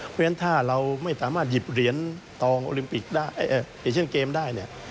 เพราะฉะนั้นถ้าเราไม่สามารถหยิบเหรอน๒๐๒๔ตองเอเชียนเกมป์ได้เนี่ย